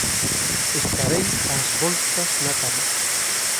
Estarei ás voltas na cama.